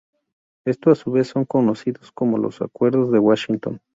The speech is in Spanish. Estos a su vez son conocidos como los Acuerdos de Washington.